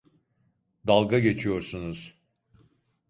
Dalga geçiyorsunuz.